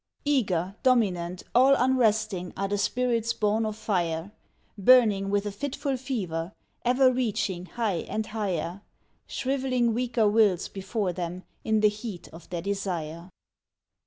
Eager, dominant, all unresting are the spirits born of Fire, Burning with a fitful fever, ever reaching high and higher, Shrivelling weaker wills before them in the heat of their desire.